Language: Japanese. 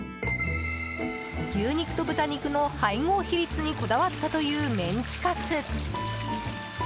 牛肉と豚肉の配合比率にこだわったというメンチカツ。